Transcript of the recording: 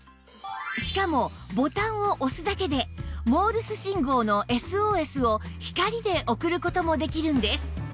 しかもボタンを押すだけでモールス信号の ＳＯＳ を光で送る事もできるんです